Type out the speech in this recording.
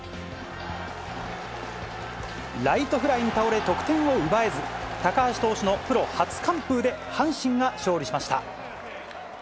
ライトフライに倒れ、得点を奪えず、高橋投手のプロ初完封で、阪神が勝利しました。